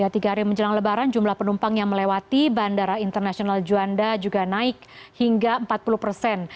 tiga hari menjelang lebaran jumlah penumpang yang melewati bandara internasional juanda juga naik hingga empat puluh persen